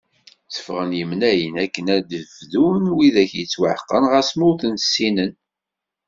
Tteffɣen imnayen akken ad d-fdun wid akk yettwaḥeqren ɣas ma ur ten-ssinen.